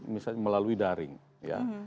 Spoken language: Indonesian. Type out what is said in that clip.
misalnya melalui daring ya